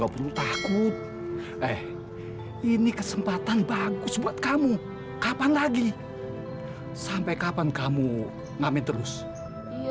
lutan buat kamu ini kesempatan kennen kamu saya siapa h semet epo itulah sekarangggu ruth yang wade